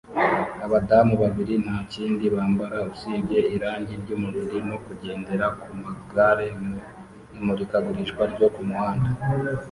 Abadamu babiri nta kindi bambara usibye irangi ry'umubiri no kugendera ku magare mu imurikagurisha ryo ku muhanda